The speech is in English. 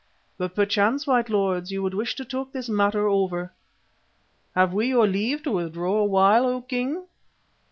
But perchance, white lords, you would wish to talk this matter over alone. Have we your leave to withdraw a while, O King?"